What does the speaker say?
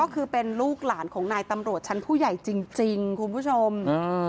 ก็คือเป็นลูกหลานของนายตำรวจชั้นผู้ใหญ่จริงคุณผู้ชม